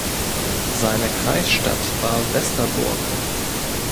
Seine Kreisstadt war Westerburg.